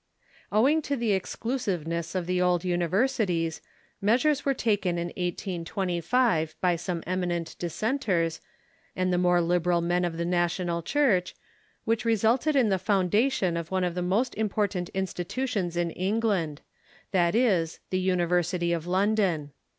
Owing to the exclusiveness of the old universities, measures were taken in 1S25 by some eminent dissenters, and the more ,^ liberal men of the national Church, which resulted in London , j. ,• the foundation of one of the most important institu tions of England, viz., the University of London.